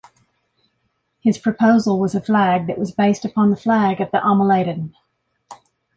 His proposal was a flag that was based upon the flag of the Ommelanden.